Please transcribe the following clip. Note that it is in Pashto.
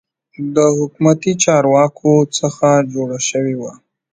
د حکومتي چارواکو څخه جوړه شوې وه.